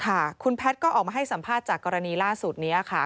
ค่ะคุณแพทย์ก็ออกมาให้สัมภาษณ์จากกรณีล่าสุดนี้ค่ะ